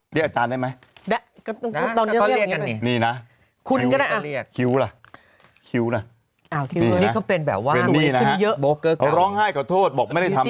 เรียกอาจารย์ได้ไหม